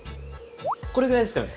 これぐらいですかね。